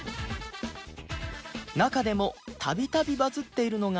中でも度々バズっているのが